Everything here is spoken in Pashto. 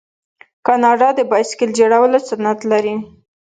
کاناډا د بایسکل جوړولو صنعت لري.